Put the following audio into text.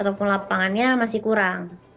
ataupun lapangannya masih kurang